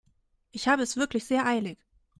Ich habe es wirklich sehr eilig.